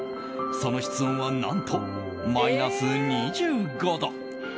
その室温は何とマイナス２５度。